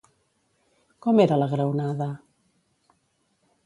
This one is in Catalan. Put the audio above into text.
Com era la graonada?